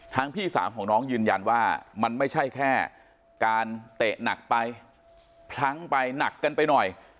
พี่สาวของน้องยืนยันว่ามันไม่ใช่แค่การเตะหนักไปพลั้งไปหนักกันไปหน่อย